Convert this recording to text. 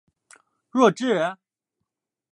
弱智？